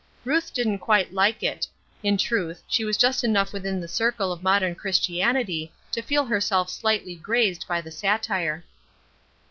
Ruth didn't quite like it in truth she was just enough within the circle of modern Christianity to feel herself slightly grazed by the satire.